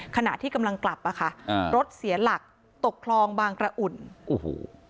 ขณะที่กำลังกลับอ่ะค่ะอ่ารถเสียหลักตกคลองบางกระอุ่นโอ้โห